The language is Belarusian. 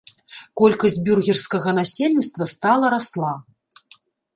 Колькасць бюргерскага насельніцтва стала расла.